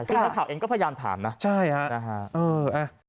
ถ้าเผ่าเองก็พยายามถามนะนะฮะเออเอ่อ